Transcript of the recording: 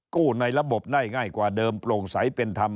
ในระบบได้ง่ายกว่าเดิมโปร่งใสเป็นธรรม